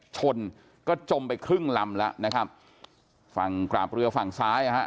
ชนก็จมไปครึ่งลำแล้วนะครับฝั่งกราบเรือฝั่งซ้ายนะฮะ